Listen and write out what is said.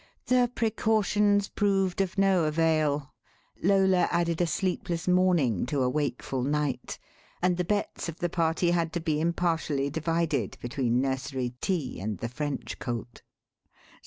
The precautions proved of no avail: Lola added a sleepless morning to a wakeful night, and the bets of the party had to be impartially divided between Nursery Tea and the French Colt.